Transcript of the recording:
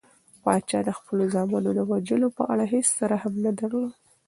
پادشاه د خپلو زامنو د وژلو په اړه هیڅ رحم نه درلود.